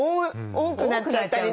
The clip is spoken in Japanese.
多くなっちゃうのよね。